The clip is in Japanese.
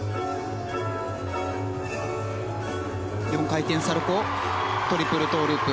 ４回転サルコウトリプルトウループ。